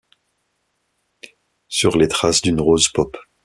Sur les traces d’une rose pop…